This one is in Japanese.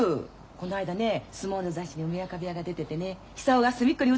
この間ね相撲の雑誌に梅若部屋が出ててね久男が隅っこに写ってたの。